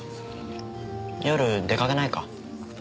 夜出かけないか？